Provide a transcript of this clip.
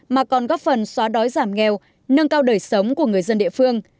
mà còn góp phần xóa đói giảm nghèo nâng cao đời sống của người dân địa phương